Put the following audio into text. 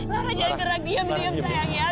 lara diam sayang ya